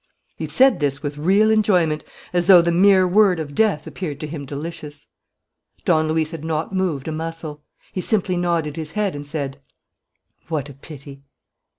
He said this with real enjoyment, as though the mere word of death appeared to him delicious. Don Luis had not moved a muscle. He simply nodded his head and said: "What a pity!"